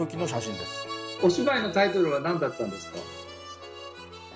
お芝居のタイトルは何だったんですか？